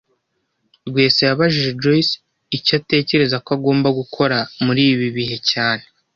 Rwesa yabajije Joyce icyo atekereza ko agomba gukora muri ibi bihe cyane